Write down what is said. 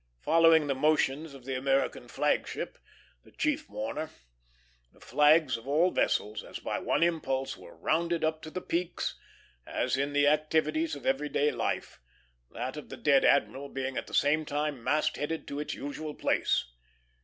Following the motions of the American flag ship, the chief mourner, the flags of all the vessels, as by one impulse, were rounded up to the peaks, as in the activities of every day life; that of the dead admiral being at the same time mast headed to its usual place.